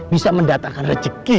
bisa mendatangkan rezeki